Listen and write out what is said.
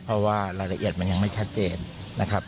เพราะว่ารายละเอียดมันยังไม่ชัดเจนนะครับ